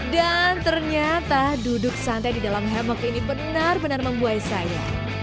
dan ternyata duduk santai di dalam hemok ini benar benar membuai saya